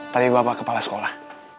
tapi bapak kepala sekolah